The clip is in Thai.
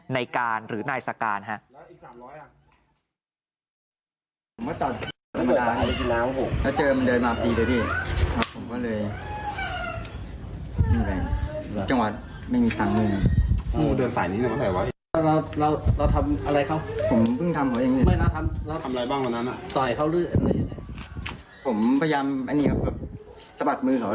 ในการหรือนายสการครับ